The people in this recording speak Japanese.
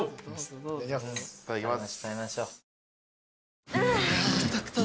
いただきます。